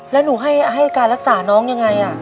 แล้วหนูให้การรักษาน้องยังไง